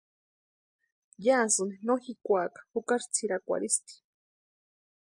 Yásïni no jikwaaka jukari tsʼirakwarhisti.